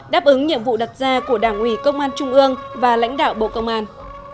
đáp ứng nhiệm vụ đặt ra của đảng ủy công an trung ương và lãnh đạo bộ công an